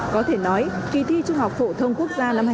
có thể nói kỳ thi trung học phổ thông quốc gia năm hai nghìn một mươi tám